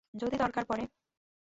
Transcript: যদি দরকার পরে।